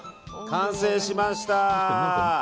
完成しました！